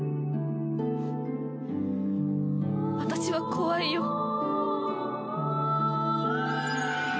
私は怖いよ。